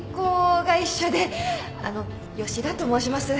あの吉田と申します。